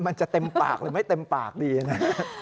มันจะเต็มปากหรือไม่เต็มปากดีนะ